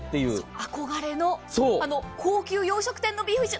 憧れの高級洋食店のビーフシチュー。